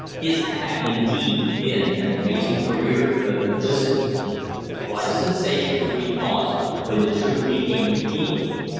His had, indeed, been an amazing career of duplicity. What a sensation would be caused when the truth became revealed!